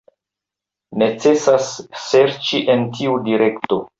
Necesas serĉi en tiu direkto.